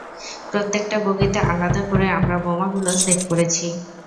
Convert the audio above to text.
প্রত্যেকটা বগিতে আলাদা করে আমরা বোমাগুলো সেট করেছি।